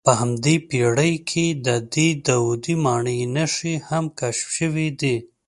په همدې پېړۍ کې د دې داودي ماڼۍ نښې هم کشف شوې دي.